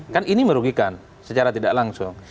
kan ini merugikan secara tidak langsung